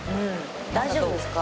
大丈夫ですか？